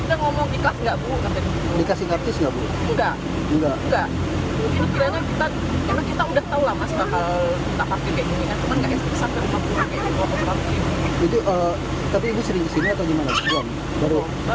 sama sekali gak ada kartis ya bu ya